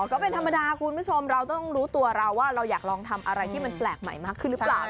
ก็เป็นธรรมดาคุณผู้ชมเราต้องรู้ตัวเราว่าเราอยากลองทำอะไรที่มันแปลกใหม่มากขึ้นหรือเปล่า